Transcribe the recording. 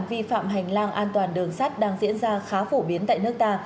vi phạm hành lang an toàn đường sắt đang diễn ra khá phổ biến tại nước ta